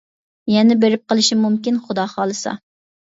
يەنە بېرىپ قېلىشىم مۇمكىن، خۇدا خالىسا.